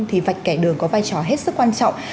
thì vạch kẻ đường có vai trò hết sức quan trọng